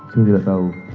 saya tidak tahu